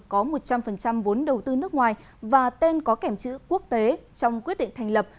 có một trăm linh vốn đầu tư nước ngoài và tên có kẻm chữ quốc tế trong quyết định thành lập